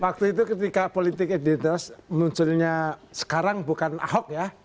waktu itu ketika politik identitas munculnya sekarang bukan ahok ya